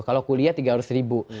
kalau kuliah tiga ratus ribu